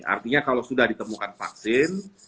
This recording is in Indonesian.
artinya kalau sudah ditemukan vaksin